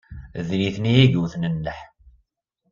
D nitni ay iwten nneḥ.